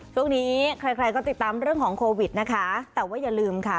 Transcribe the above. ช่วงนี้ใครใครก็ติดตามเรื่องของโควิดนะคะแต่ว่าอย่าลืมค่ะ